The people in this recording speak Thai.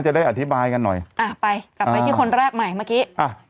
จะได้อธิบายกันหน่อยอ่าไปกลับไปที่คนแรกใหม่เมื่อกี้อ่า